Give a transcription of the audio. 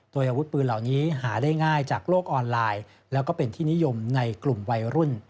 โดยอาวุธปืนเหล่านี้หาได้ง่ายจากโลกออนไลน์แล้วก็เป็นที่นิยมในกลุ่มวัยรุ่น